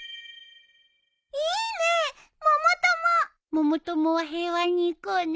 百友は平和にいこうね。